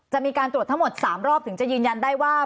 จะมีการตรวจทั้งหมด๓รอบถึงจะยืนยันได้ว่า